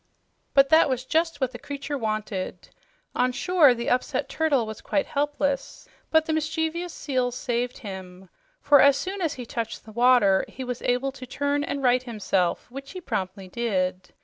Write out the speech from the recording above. But that was just what the creature wanted. On shore the upset turtle was quite helpless; but the mischievous seals saved him. For as soon as he touched the water, he was able to turn and right himself, which he promptly did.